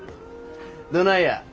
どないや？